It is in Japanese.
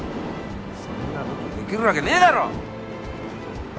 そんなことできるわけねぇだろ！